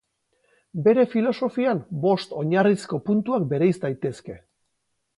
Bere filosofian bost oinarrizko puntuak bereiz daitezke.